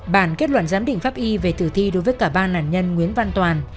bản kết luận giám định pháp y về tử thi đối với cả ba nạn nhân nguyễn văn toàn